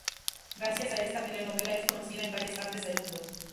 Gracias a esta telenovela es conocida en varias partes del mundo.